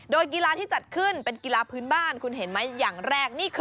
โดยกีฬาที่จัดขึ้นเป็นกีฬาพื้นบ้านคุณเห็นไหมอย่างแรกนี่คือ